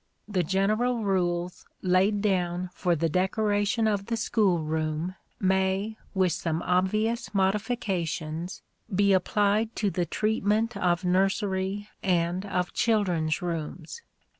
The general rules laid down for the decoration of the school room may, with some obvious modifications, be applied to the treatment of nursery and of children's rooms.